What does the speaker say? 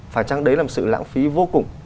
phải chăng đấy là một sự lãng phí vô cùng